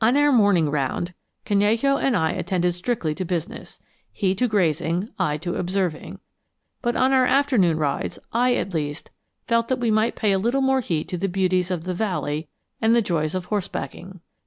On our morning round, Canello and I attended strictly to business, he to grazing, I to observing; but on our afternoon rides I, at least, felt that we might pay a little more heed to the beauties of the valley and the joys of horsebacking.